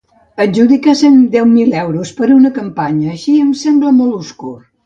Adjudicar cent deu mil euros per a una campanya així em sembla molt obscur.